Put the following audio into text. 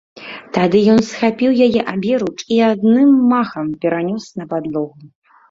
Тады ён схапіў яе аберуч і адным махам перанёс на падлогу.